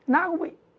nã cũng bị